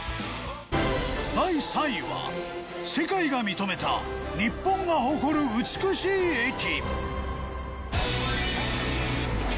第３位は世界が認めた日本が誇る美しい駅。